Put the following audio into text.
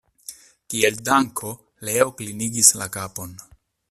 Kiel danko Leo klinigis la kapon.